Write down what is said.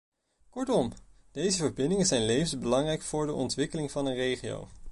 Kortom: deze verbindingen zijn levensbelangrijk voor de ontwikkeling van een regio.